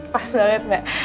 pas banget mbak